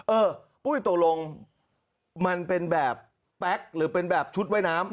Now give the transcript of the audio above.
เออปุ้ยตกลงมันเป็นแบบแป๊กหรือเป็นแบบชุดว่ายน้ำ